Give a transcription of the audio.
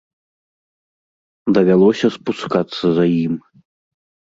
Давялося спускацца за ім.